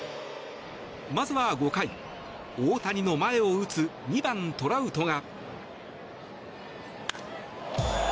まずは５回、大谷の前を打つ２番、トラウトが。